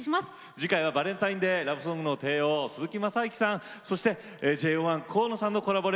次回はバレンタインデーラブソングの帝王鈴木雅之さんそしてＪＯ１河野さんのコラボレ